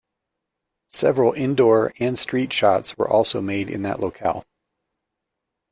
Several indoor and street shots were also made in that locale.